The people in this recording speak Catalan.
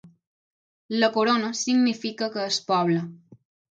La corona significa que és poble.